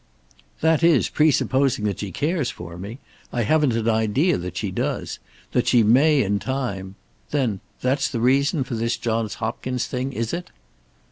"That is presupposing that she cares for me. I haven't an idea that she does. That she may, in time Then, that's the reason for this Johns Hopkins thing, is it?"